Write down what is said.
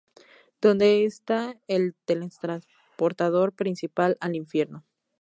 Donde esta el teletransportador principal al infierno.